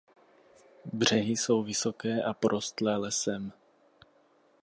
Břehy jsou vysoké a porostlé lesem.